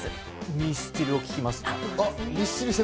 ミスチルを聴きます。